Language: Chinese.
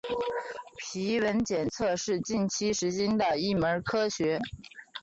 皮纹检测是近期时兴的一门学科。